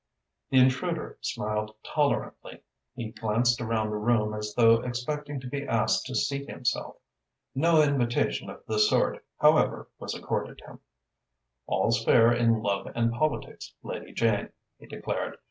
The intruder smiled tolerantly. He glanced around the room as though expecting to be asked to seat himself. No invitation of the sort, however, was accorded him. "All's fair in love and politics, Lady Jane," he declared.